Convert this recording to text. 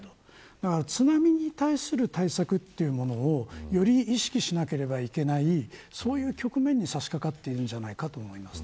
だから津波に対する対策というものをより意識しなければいけないそういう局面に差しかかっているんじゃないかと思います。